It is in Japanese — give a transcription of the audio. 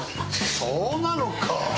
そうなのか。